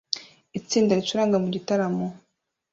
itsinda ricuranga mu gitaramo